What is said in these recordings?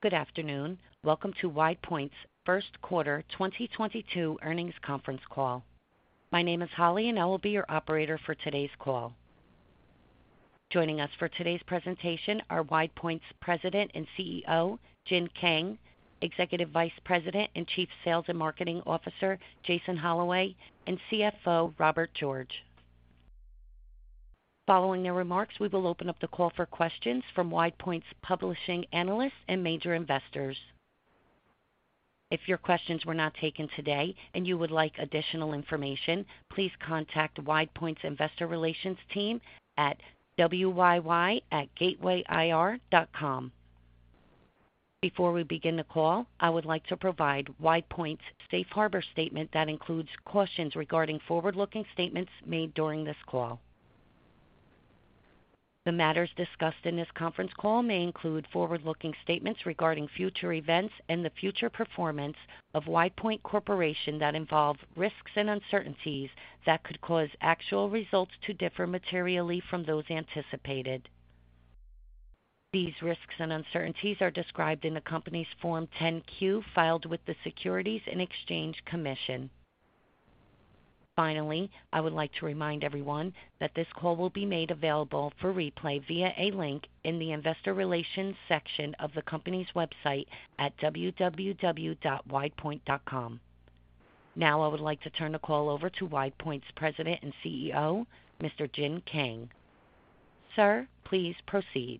Good afternoon. Welcome to WidePoint's Q1 2022 earnings conference call. My name is Holly, and I will be your operator for today's call. Joining us for today's presentation are WidePoint's President and CEO, Jin Kang, Executive Vice President and Chief Sales and Marketing Officer, Jason Holloway, and CFO, Robert George. Following their remarks, we will open up the call for questions from WidePoint's publishing analysts and major investors. If your questions were not taken today and you would like additional information, please contact WidePoint's investor relations team at wyy@gatewayir.com. Before we begin the call, I would like to provide WidePoint's safe harbor statement that includes cautions regarding forward-looking statements made during this call. The matters discussed in this conference call may include forward-looking statements regarding future events and the future performance of WidePoint Corporation that involve risks and uncertainties that could cause actual results to differ materially from those anticipated. These risks and uncertainties are described in the company's Form 10-Q filed with the Securities and Exchange Commission. Finally, I would like to remind everyone that this call will be made available for replay via a link in the investor relations section of the company's website at www.widepoint.com. Now I would like to turn the call over to WidePoint's President and CEO, Mr. Jin Kang. Sir, please proceed.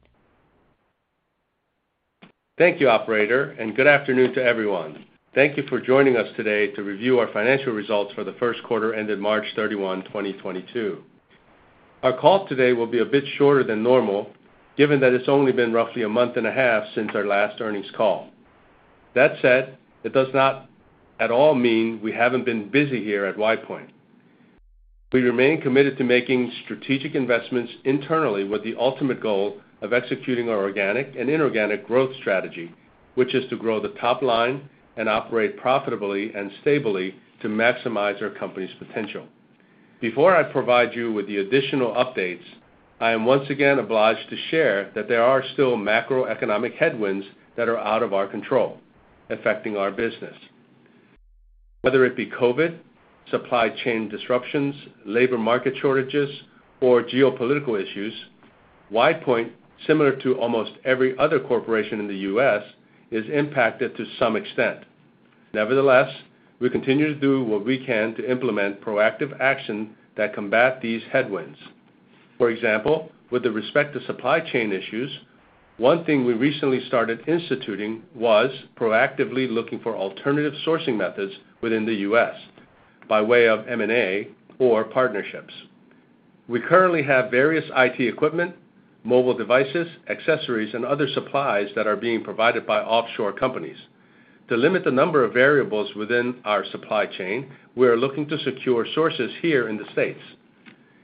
Thank you, operator, and good afternoon to everyone. Thank you for joining us today to review our financial results for the Q1 ended March 31, 2022. Our call today will be a bit shorter than normal, given that it's only been roughly a month and a half since our last earnings call. That said, it does not at all mean we haven't been busy here at WidePoint. We remain committed to making strategic investments internally with the ultimate goal of executing our organic and inorganic growth strategy, which is to grow the top line and operate profitably and stably to maximize our company's potential. Before I provide you with the additional updates, I am once again obliged to share that there are still macroeconomic headwinds that are out of our control affecting our business. Whether it be COVID, supply chain disruptions, labor market shortages, or geopolitical issues, WidePoint, similar to almost every other corporation in the U.S., is impacted to some extent. Nevertheless, we continue to do what we can to implement proactive action that combat these headwinds. For example, with respect to supply chain issues, one thing we recently started instituting was proactively looking for alternative sourcing methods within the U.S. by way of M&A or partnerships. We currently have various IT equipment, mobile devices, accessories, and other supplies that are being provided by offshore companies. To limit the number of variables within our supply chain, we are looking to secure sources here in the States.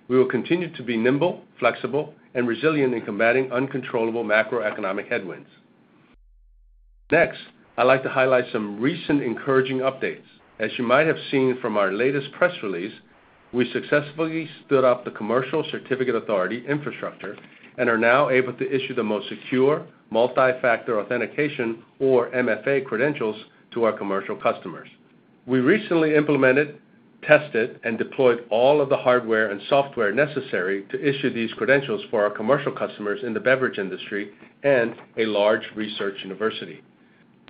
We will continue to be nimble, flexible, and resilient in combating uncontrollable macroeconomic headwinds. Next, I'd like to highlight some recent encouraging updates. As you might have seen from our latest press release, we successfully stood up the commercial Certificate Authority infrastructure and are now able to issue the most secure multi-factor authentication or MFA credentials to our commercial customers. We recently implemented, tested, and deployed all of the hardware and software necessary to issue these credentials for our commercial customers in the beverage industry and a large research university.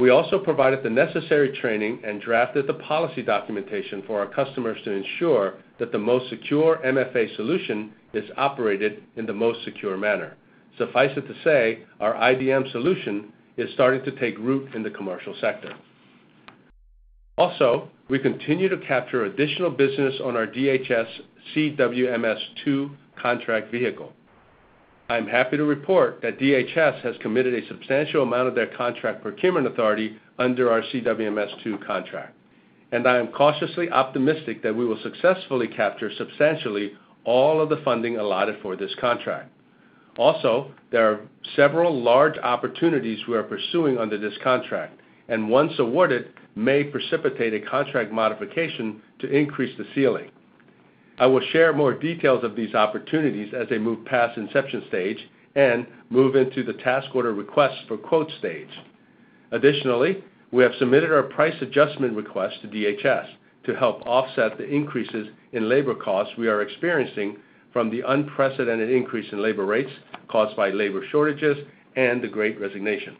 We also provided the necessary training and drafted the policy documentation for our customers to ensure that the most secure MFA solution is operated in the most secure manner. Suffice it to say, our IDM solution is starting to take root in the commercial sector. Also, we continue to capture additional business on our DHS CWMS two contract vehicle. I'm happy to report that DHS has committed a substantial amount of their contract procurement authority under our CWMS 2.0 contract, and I am cautiously optimistic that we will successfully capture substantially all of the funding allotted for this contract. Also, there are several large opportunities we are pursuing under this contract, and once awarded, may precipitate a contract modification to increase the ceiling. I will share more details of these opportunities as they move past inception stage and move into the task order request for quote stage. Additionally, we have submitted our price adjustment request to DHS to help offset the increases in labor costs we are experiencing from the unprecedented increase in labor rates caused by labor shortages and the great resignation.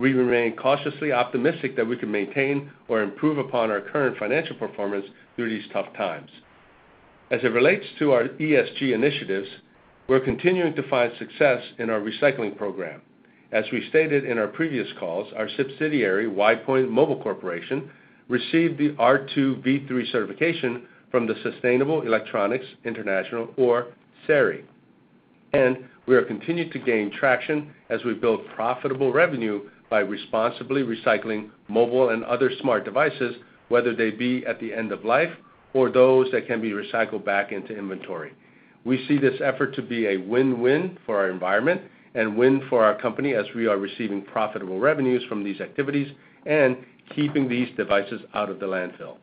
We remain cautiously optimistic that we can maintain or improve upon our current financial performance through these tough times. As it relates to our ESG initiatives, we're continuing to find success in our recycling program. As we stated in our previous calls, our subsidiary, WidePoint Mobile Corporation, received the R2v3 certification from the Sustainable Electronics Recycling International or SERI. We are continuing to gain traction as we build profitable revenue by responsibly recycling mobile and other smart devices, whether they be at the end of life or those that can be recycled back into inventory. We see this effort to be a win-win for our environment and win for our company as we are receiving profitable revenues from these activities and keeping these devices out of the landfill.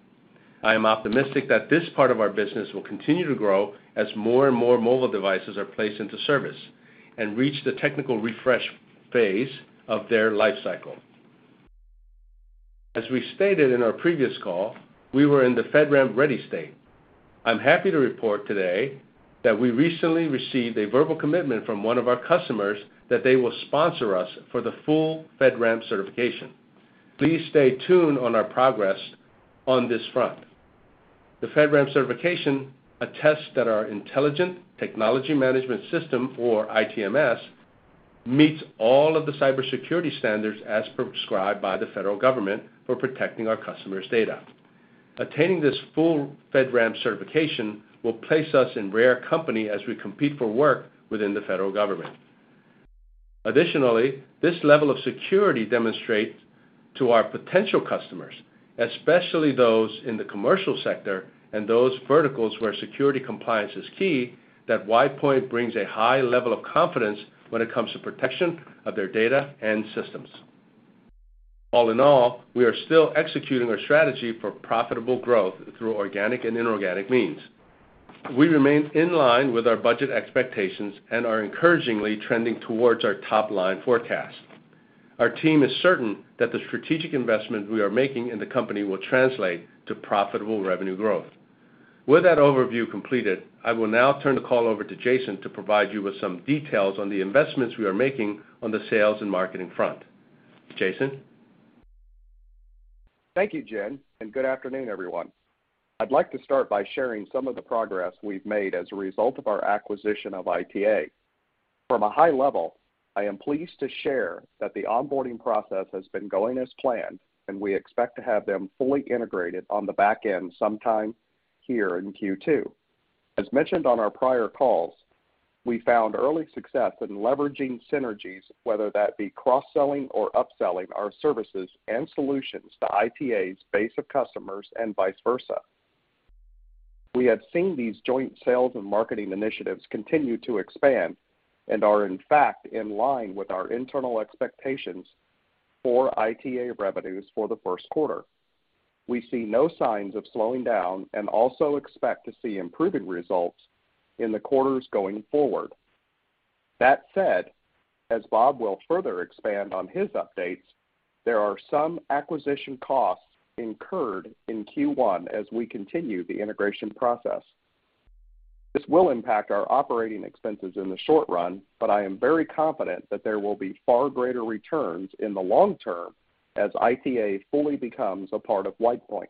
I am optimistic that this part of our business will continue to grow as more and more mobile devices are placed into service and reach the technical refresh phase of their life cycle. As we stated in our previous call, we were in the FedRAMP ready state. I'm happy to report today that we recently received a verbal commitment from one of our customers that they will sponsor us for the full FedRAMP certification. Please stay tuned on our progress on this front. The FedRAMP certification attests that our Intelligent Technology Management System or ITMS, meets all of the cybersecurity standards as prescribed by the federal government for protecting our customers' data. Attaining this full FedRAMP certification will place us in rare company as we compete for work within the federal government. Additionally, this level of security demonstrates to our potential customers, especially those in the commercial sector and those verticals where security compliance is key, that WidePoint brings a high level of confidence when it comes to protection of their data and systems. All in all, we are still executing our strategy for profitable growth through organic and inorganic means. We remain in line with our budget expectations and are encouragingly trending towards our top-line forecast. Our team is certain that the strategic investment we are making in the company will translate to profitable revenue growth. With that overview completed, I will now turn the call over to Jason to provide you with some details on the investments we are making on the sales and marketing front. Jason? Thank you, Jin, and good afternoon, everyone. I'd like to start by sharing some of the progress we've made as a result of our acquisition of ITA. From a high level, I am pleased to share that the onboarding process has been going as planned, and we expect to have them fully integrated on the back-end sometime here in Q2. As mentioned on our prior calls, we found early success in leveraging synergies, whether that be cross-selling or upselling our services and solutions to ITA's base of customers and vice versa. We have seen these joint sales and marketing initiatives continue to expand and are in fact in line with our internal expectations for ITA revenues for the Q1. We see no signs of slowing down and also expect to see improving results in the quarters going forward. That said, as Robert will further expand on his updates, there are some acquisition costs incurred in Q1 as we continue the integration process. This will impact our operating expenses in the short run, but I am very confident that there will be far greater returns in the long term as ITA fully becomes a part of WidePoint.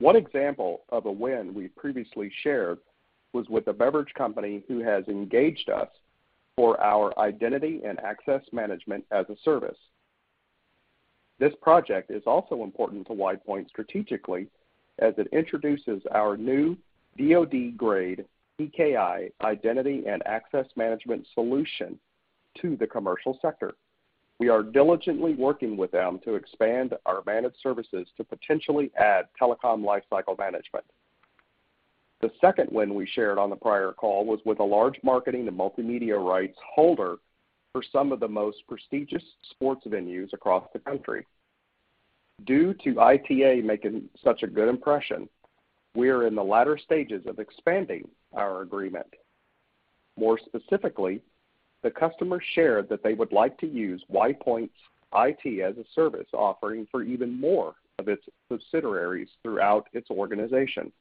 One example of a win we previously shared was with a beverage company who has engaged us for our Identity and Access Management as a service. This project is also important to WidePoint strategically as it introduces our new DoD-grade PKI Identity and Access Management solution to the commercial sector. We are diligently working with them to expand our managed services to potentially add Telecom Lifecycle Management. The second win we shared on the prior call was with a large marketing and multimedia rights holder for some of the most prestigious sports venues across the country. Due to ITA making such a good impression, we are in the latter stages of expanding our agreement. More specifically, the customer shared that they would like to use WidePoint's IT as a Service offering for even more of its subsidiaries throughout its organization.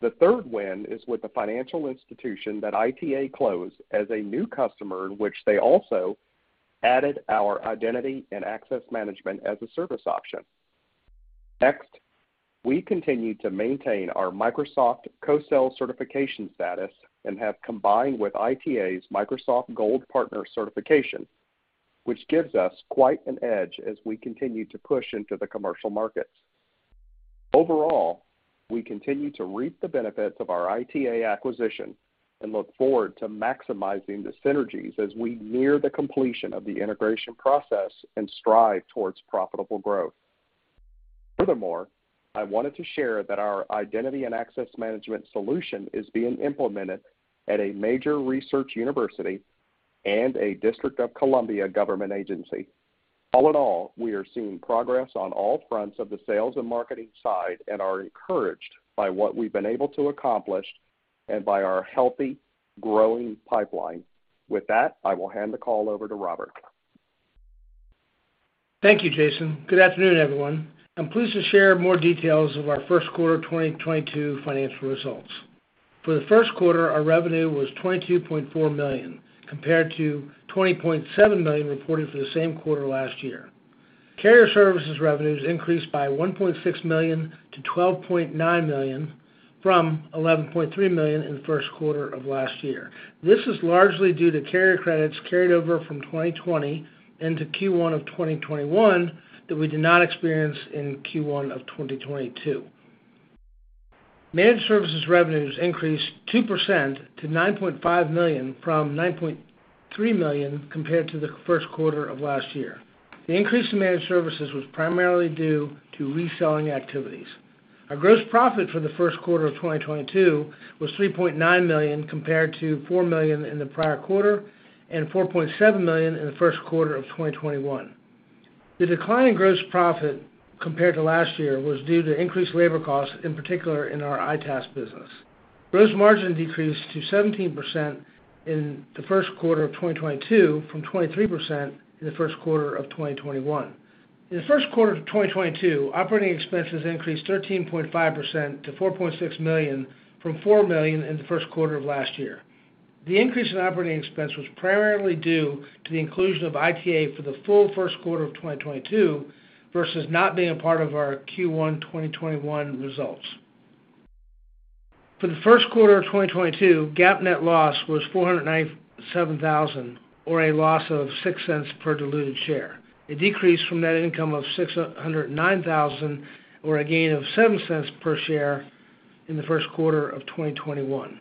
The third win is with the financial institution that ITA closed as a new customer in which they also added our Identity and Access Management as a Service option. Next, we continue to maintain our Microsoft co-sell certification status and have combined with ITA's Microsoft Gold Partner certification, which gives us quite an edge as we continue to push into the commercial markets. Overall, we continue to reap the benefits of our ITA acquisition and look forward to maximizing the synergies as we near the completion of the integration process and strive towards profitable growth. Furthermore, I wanted to share that our identity and access management solution is being implemented at a major research university and a District of Columbia government agency. All in all, we are seeing progress on all fronts of the sales and marketing side and are encouraged by what we've been able to accomplish and by our healthy, growing pipeline. With that, I will hand the call over to Robert. Thank you, Jason. Good afternoon, everyone. I'm pleased to share more details of our Q1 2022 financial results. For the Q1, our revenue was $22.4 million, compared to $20.7 million reported for the same quarter last year. Carrier services revenues increased by $1.6 million to $12.9 million from $11.3 million in the Q1 of last year. This is largely due to carrier credits carried over from 2020 into Q1 of 2021 that we did not experience in Q1 of 2022. Managed services revenues increased 2% to $9.5 million from $9.3 million compared to the Q1 of last year. The increase in managed services was primarily due to reselling activities. Our gross profit for the Q1 of 2022 was $3.9 million compared to $4 million in the prior quarter and $4.7 million in the Q1of 2021. The decline in gross profit compared to last year was due to increased labor costs, in particular in our ITaaS business. Gross margin decreased to 17% in the Q1 of 2022 from 23% in the Q1 of 2021. In the Q1 of 2022, operating expenses increased 13.5% to $4.6 million from $4 million in the Q1 of last year. The increase in operating expense was primarily due to the inclusion of ITA for the full Q1 of 2022 versus not being a part of our Q1 2021 results. For the Q1 of 2022, GAAP net loss was $497,000, or a loss of $0.06 per diluted share, a decrease from net income of $609,000, or a gain of $0.07 per share in the Q1 of 2021.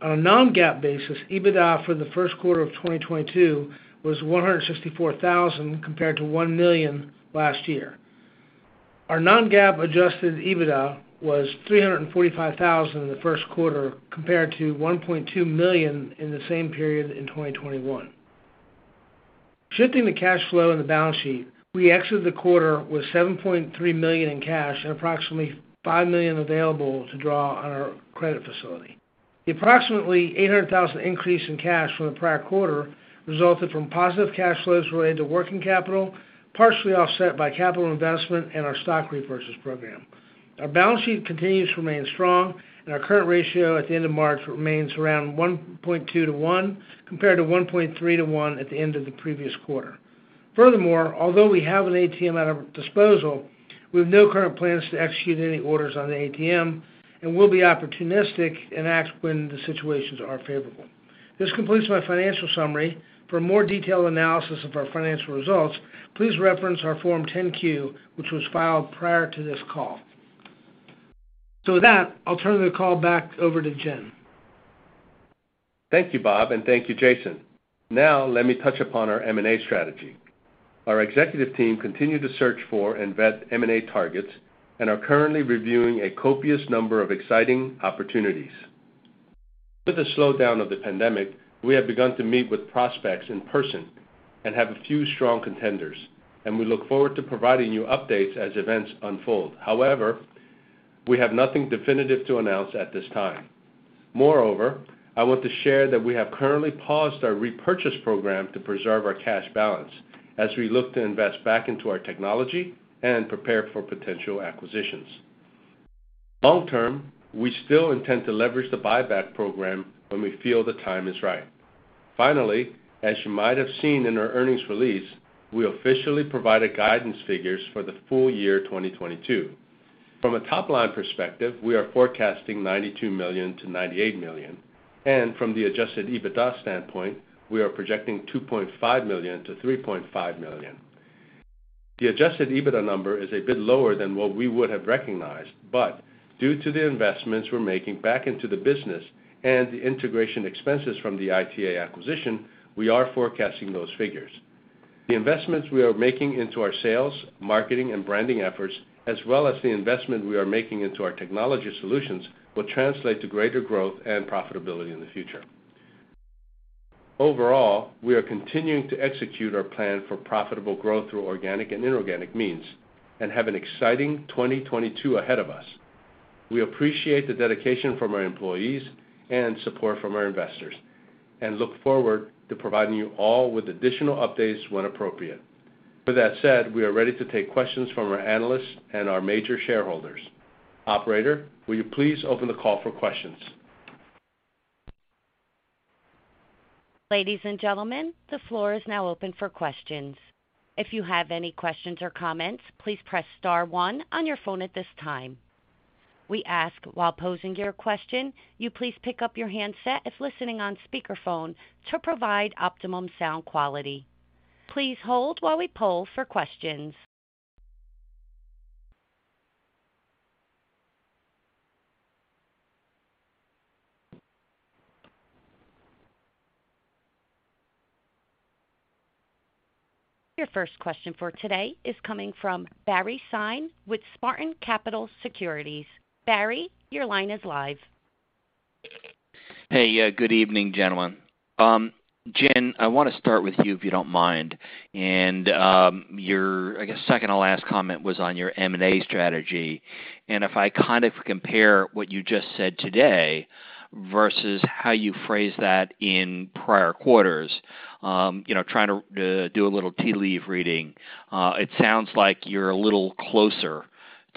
On a non-GAAP basis, EBITDA for the Q1 of 2022 was $164,000 compared to $1 million last year. Our non-GAAP adjusted EBITDA was $345,000 in the Q1 compared to $1.2 million in the same period in 2021. Shifting to cash flow and the balance sheet, we exited the quarter with $7.3 million in cash and approximately $5 million available to draw on our credit facility. The approximately $800,000 increase in cash from the prior quarter resulted from positive cash flows related to working capital, partially offset by capital investment and our stock repurchase program. Our balance sheet continues to remain strong and our current ratio at the end of March remains around 1.2 to 1, compared to 1.3 to 1 at the end of the previous quarter. Furthermore, although we have an ATM at our disposal, we have no current plans to execute any orders on the ATM and we'll be opportunistic and act when the situations are favorable. This completes my financial summary. For more detailed analysis of our financial results, please reference our Form 10-Q, which was filed prior to this call. With that, I'll turn the call back over to Jin. Thank you, Robert, and thank you, Jason. Now let me touch upon our M&A strategy. Our executive team continue to search for and vet M&A targets and are currently reviewing a copious number of exciting opportunities. With the slowdown of the pandemic, we have begun to meet with prospects in person and have a few strong contenders, and we look forward to providing you updates as events unfold. However, we have nothing definitive to announce at this time. Moreover, I want to share that we have currently paused our repurchase program to preserve our cash balance as we look to invest back into our technology and prepare for potential acquisitions. Long term, we still intend to leverage the buyback program when we feel the time is right. Finally, as you might have seen in our earnings release, we officially provided guidance figures for the full year 2022. From a top line perspective, we are forecasting $92 million-$98 million, and from the adjusted EBITDA standpoint, we are projecting $2.5 million-$3.5 million. The adjusted EBITDA number is a bit lower than what we would have recognized, but due to the investments we're making back into the business and the integration expenses from the ITA acquisition, we are forecasting those figures. The investments we are making into our sales, marketing, and branding efforts, as well as the investment we are making into our technology solutions, will translate to greater growth and profitability in the future. Overall, we are continuing to execute our plan for profitable growth through organic and inorganic means and have an exciting 2022 ahead of us. We appreciate the dedication from our employees and support from our investors and look forward to providing you all with additional updates when appropriate. With that said, we are ready to take questions from our analysts and our major shareholders. Operator, will you please open the call for questions? Ladies and gentlemen, the floor is now open for questions. If you have any questions or comments, please press star one on your phone at this time. We ask, while posing your question, you please pick up your handset if listening on speakerphone to provide optimum sound quality. Please hold while we poll for questions. Your first question for today is coming from Barry Sine with Spartan Capital Securities. Barry, your line is live. Hey, good evening, gentlemen. Jin, I wanna start with you, if you don't mind. Your, I guess, second to last comment was on your M&A strategy. If I kind of compare what you just said today versus how you phrased that in prior quarters, you know, trying to do a little tea leaf reading, it sounds like you're a little closer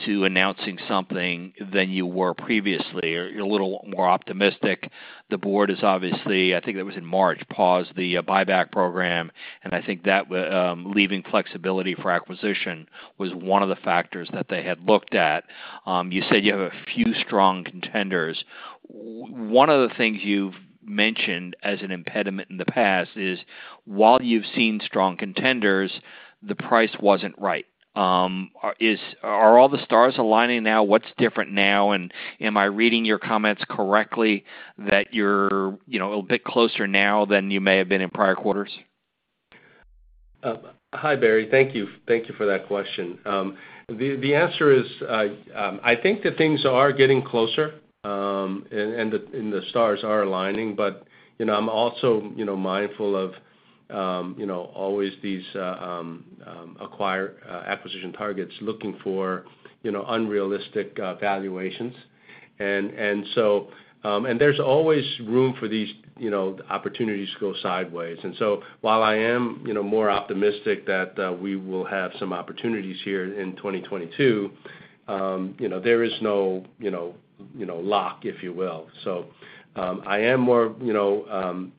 to announcing something than you were previously. You're a little more optimistic. The board obviously paused the buyback program. I think that was in March, and I think that leaving flexibility for acquisition was one of the factors that they had looked at. You said you have a few strong contenders. One of the things you've mentioned as an impediment in the past is while you've seen strong contenders, the price wasn't right. Are all the stars aligning now? What's different now? Am I reading your comments correctly that you're, you know, a bit closer now than you may have been in prior quarters? Hi, Barry. Thank you for that question. The answer is, I think that things are getting closer, and the stars are aligning, but you know, I'm also you know, mindful of you know, always these acquisition targets looking for you know, unrealistic valuations. There's always room for these you know, opportunities to go sideways. While I am you know, more optimistic that we will have some opportunities here in 2022, you know, there is no you know, lock, if you will. I am more you know,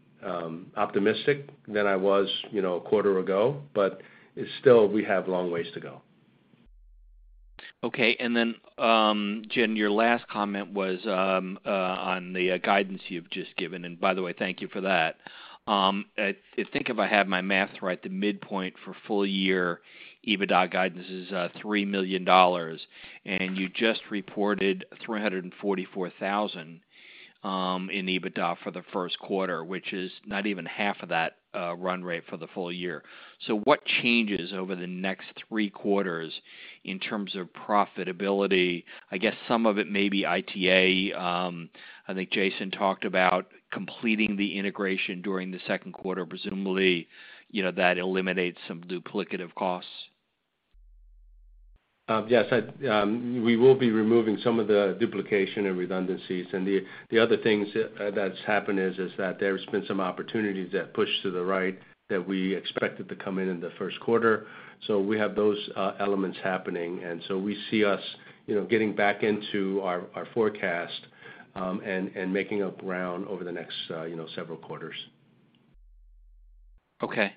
optimistic than I was you know, a quarter ago, but still we have long ways to go. Okay. Jin, your last comment was on the guidance you've just given. By the way, thank you for that. I think if I have my math right, the midpoint for full year EBITDA guidance is $3 million, and you just reported $344,000 in EBITDA for the Q1, which is not even half of that run rate for the full year. What changes over the next three quarters in terms of profitability? I guess some of it may be ITA. I think Jason talked about completing the integration during the Q2. Presumably, you know, that eliminates some duplicative costs. Yes. We will be removing some of the duplication and redundancies. The other things that that's happened is that there's been some opportunities that pushed to the right that we expected to come in in the Q1. We have those elements happening. We see us, you know, getting back into our forecast and making up ground over the next, you know, several quarters. Okay.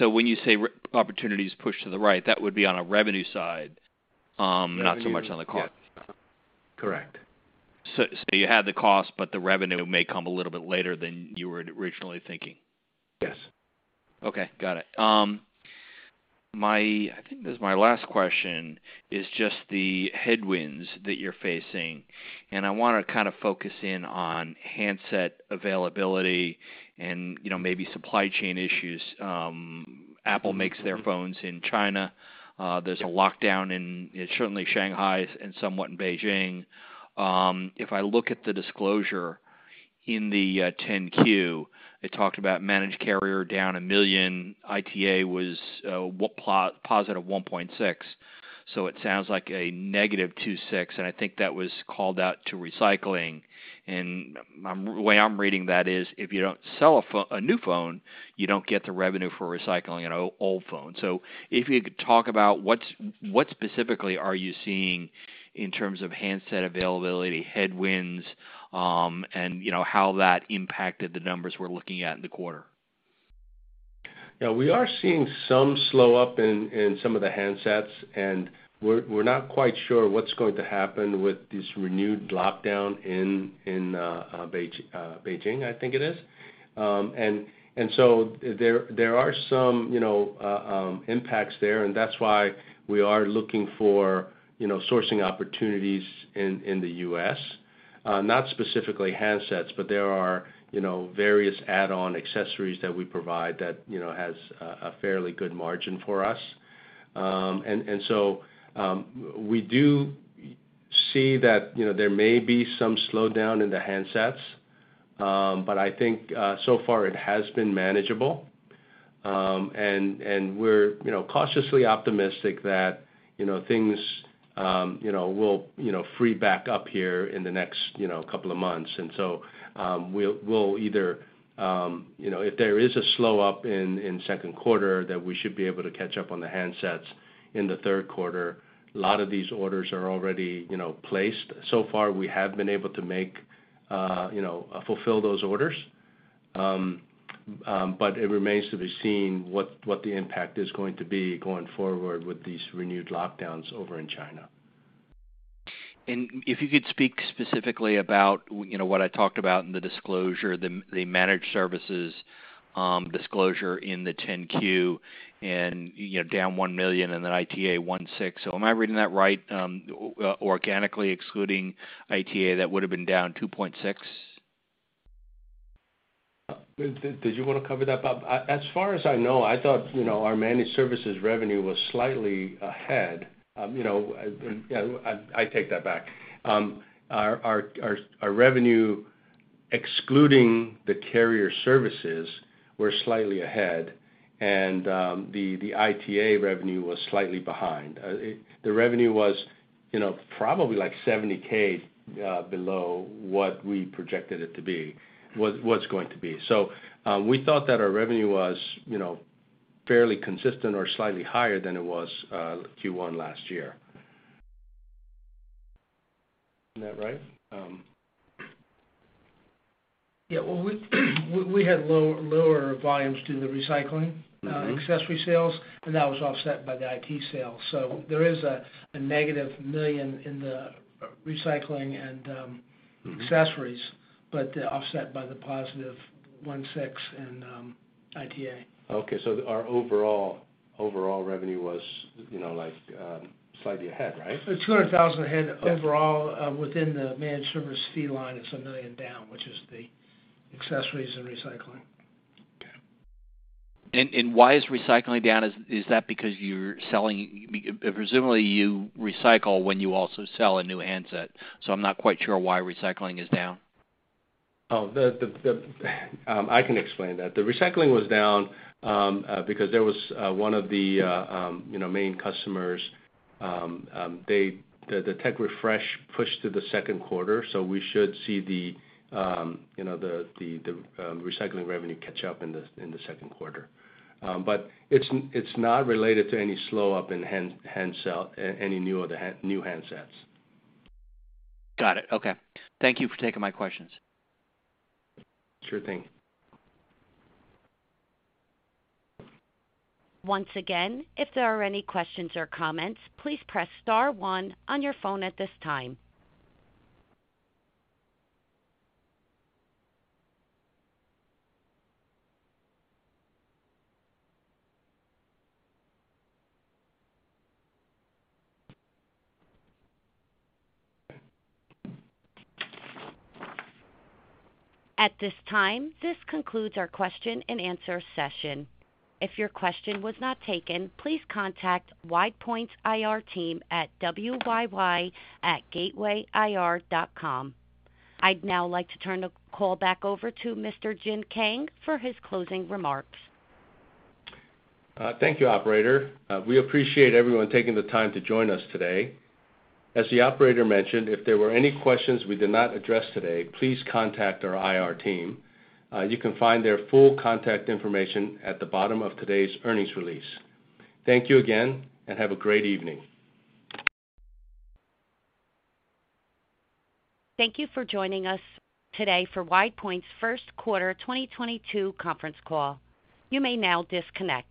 When you say opportunities pushed to the right, that would be on a revenue side? Revenue, yeah. not so much on the cost. Correct. You had the cost, but the revenue may come a little bit later than you were originally thinking. Yes. Okay. Got it. I think this is my last question, is just the headwinds that you're facing, and I wanna kind of focus in on handset availability and, you know, maybe supply chain issues. Apple makes their phones in China. There's a lockdown in certainly Shanghai and somewhat in Beijing. If I look at the disclosure in the 10-Q, it talked about managed carrier down $1 million. ITaaS was positive $1.6 million. So it sounds like a negative $2.6 million, and I think that was called out to recycling. The way I'm reading that is, if you don't sell a new phone, you don't get the revenue for recycling an old phone. If you could talk about what specifically are you seeing in terms of handset availability, headwinds, and you know, how that impacted the numbers we're looking at in the quarter? Yeah. We are seeing some slow up in some of the handsets, and we're not quite sure what's going to happen with this renewed lockdown in Beijing, I think it is. And so there are some, you know, impacts there, and that's why we are looking for, you know, sourcing opportunities in the U.S. Not specifically handsets, but there are, you know, various add-on accessories that we provide that has a fairly good margin for us. And so we do see that, you know, there may be some slowdown in the handsets. But I think so far it has been manageable. We're, you know, cautiously optimistic that, you know, things, you know, will, you know, pick back up here in the next, you know, couple of months. We'll either, you know, if there is a slowdown in Q2, that we should be able to catch up on the handsets in the Q3. A lot of these orders are already, you know, placed. So far we have been able to, you know, fulfill those orders. It remains to be seen what the impact is going to be going forward with these renewed lockdowns over in China. If you could speak specifically about, you know, what I talked about in the disclosure, the managed services disclosure in the 10-Q and, you know, down $1 million and then ITA $1.6. Am I reading that right? Organically excluding ITA, that would have been down $2.6 million? Did you wanna cover that, Bob? As far as I know, I thought, you know, our managed services revenue was slightly ahead. You know, I take that back. Our revenue, excluding the carrier services, were slightly ahead and the ITaaS revenue was slightly behind. The revenue was, you know, probably like $70K below what we projected it to be, going to be. We thought that our revenue was, you know, fairly consistent or slightly higher than it was Q1 last year. Isn't that right? Yeah. Well, we had lower volumes due to the recycling- Mm-hmm accessory sales, and that was offset by the IT sales. There is -$1 million in the recycling and Mm-hmm ...accessories, but offset by the positive 16% in ITaaS. Okay. Our overall revenue was, you know, like, slightly ahead, right? $200,000 ahead overall, within the managed service fee line is $1 million down, which is the accessories and recycling. Okay. Why is recycling down? Is that because you're selling? Presumably you recycle when you also sell a new handset, so I'm not quite sure why recycling is down. I can explain that. The recycling was down, because there was one of the, you know, main customers, the tech refresh pushed to the Q2, so we should see the, you know, the recycling revenue catch up in the Q2. It's not related to any slow-up in handsets, any new orders, the new handsets. Got it. Okay. Thank you for taking my questions. Sure thing. Once again, if there are any questions or comments, please press star one on your phone at this time. At this time, this concludes our question-and-answer session. If your question was not taken, please contact WidePoint's IR team at wyy@gatewayir.com. I'd now like to turn the call back over to Mr. Jin Kang for his closing remarks. Thank you, operator. We appreciate everyone taking the time to join us today. As the operator mentioned, if there were any questions we did not address today, please contact our IR team. You can find their full contact information at the bottom of today's earnings release. Thank you again, and have a great evening. Thank you for joining us today for WidePoint's Q1 2022 conference call. You may now disconnect.